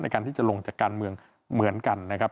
การที่จะลงจากการเมืองเหมือนกันนะครับ